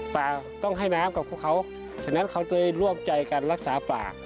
ป่าต้องให้น้ำกับพวกเขาฉะนั้นเขาจะได้ร่วมใจกันรักษาป่า